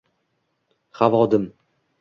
Havo dim.